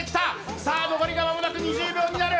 さあ残りが間もなく２０秒になる。